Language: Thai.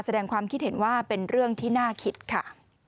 แสดงความคิดเห็นว่าเป็นเรื่องที่น่าคิดค่ะ